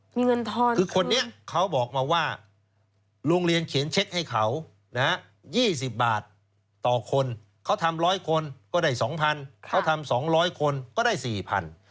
มีเงินทอนคือคนนี้เขาบอกมาว่าโรงเรียนเขียนเช็คให้เขานะฮะ๒๐บาทต่อคนเขาทำ๑๐๐คนก็ได้๒๐๐เขาทำ๒๐๐คนก็ได้๔๐๐บาท